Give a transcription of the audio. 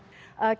kita akan melihat